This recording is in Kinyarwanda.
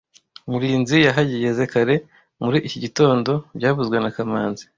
Murinzi yahageze kare muri iki gitondo byavuzwe na kamanzi